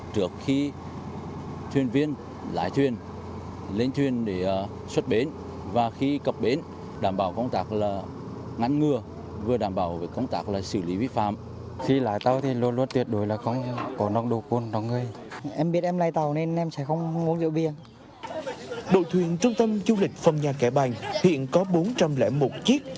đội thuyền trung tâm du lịch phong nha kẻ bàng hiện có bốn trăm linh một chiếc